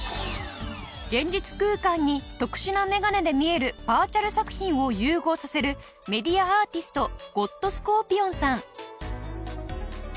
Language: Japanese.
現実空間に特殊なメガネで見えるバーチャル作品を融合させるメディアアーティストゴッドスコーピオンさん。